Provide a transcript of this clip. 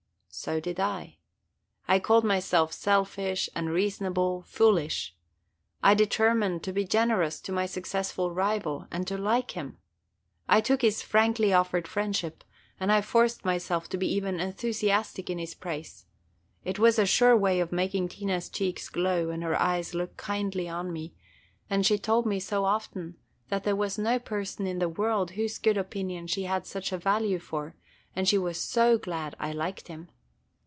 So did I. I called myself selfish, unreasonable, foolish. I determined to be generous to my successful rival, and to like him. I took his frankly offered friendship, and I forced myself to be even enthusiastic in his praise. It was a sure way of making Tina's cheeks glow and her eyes look kindly on me, and she told me so often that there no person in the world whose good opinion she had such a value for, and she was so glad I liked him.